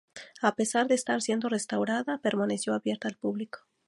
A pesar de estar siendo restaurada, permaneció abierta al público.